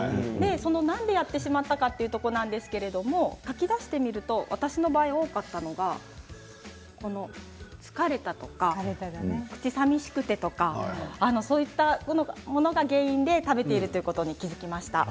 なんでやってしまったかというところなんですけれども書き出してみると私の場合、多かったのが疲れたとか、口さみしくてとかそういったものが原因で食べているということに気が付きました。